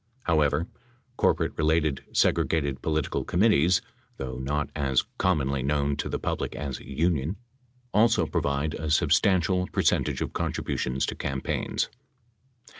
However, cor porate related segregated political committees, though not as com monly known to the public as union, also provide a substantial per centage of contributions to campaigns.